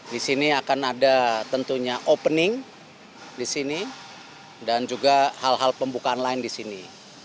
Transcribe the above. di sini akan ada tentunya opening di sini dan juga hal hal pembukaan lain di sini